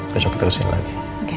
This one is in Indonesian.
besok kita kesini lagi